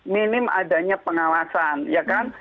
minim adanya pengawasan ya kan